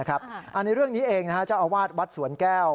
ในเรื่องนี้เองเจ้าอาวาสวัดสวนแก้ว